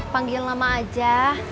panggil nama aja